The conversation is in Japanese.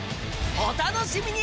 お楽しみに！